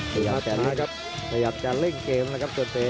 พยายามจะเล่นเกมนะครับตรวจเป๋